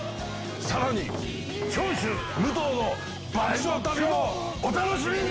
さらに長州武藤の爆笑旅もお楽しみに！